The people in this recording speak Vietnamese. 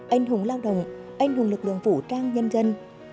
anh hùng lao động anh hùng lực lượng vũ trang nhân dân